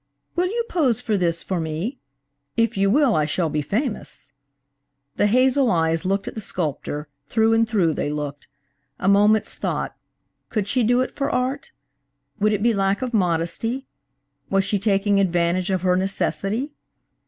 "Will you pose for this for me? If you will I shall be famous." The hazel eyes looked at the sculptor; through and through they looked. A moment's thought. Could she do it for art? Would it be lack of modesty? Was she taking advantage of her necessity?